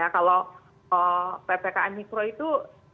kalau ppkm mikro itu